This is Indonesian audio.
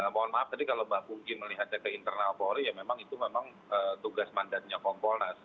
mohon maaf tadi kalau mbak pungki melihatnya ke internal polri ya memang itu memang tugas mandatnya kompolnas